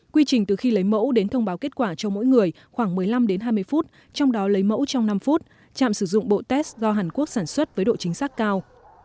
quy trình từ khi lấy mẫu đến thông báo kết quả cho mỗi người khoảng một mươi năm đến hai mươi phút trong đó lấy mẫu trong năm phút trạm sử dụng bộ test do hàn quốc sản xuất với độ chính xác cao